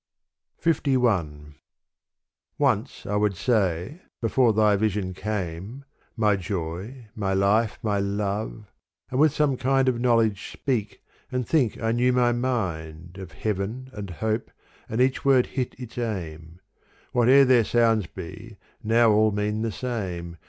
LI Once I would say, before thy vision came, My joy, my life, my love, and with some kind Of knowledge speak and think I knew my mind Of heaven and hope, and each word hit its aim. Whate'er their sounds be, now all mean the same.